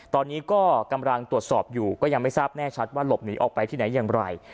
ตอนนี้ก็กำลังตรวจสอบอยู่ก็ยังไม่ทราบแน่ชัดว่าหลบหนีออกไปที่ไหนอย่างไร